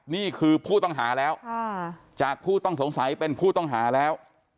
นี่คือผู้ต้องหาแล้วจากผู้ต้องสงสัยเป็นผู้ต้องหาแล้ว